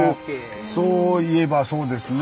まあそういえばそうですね。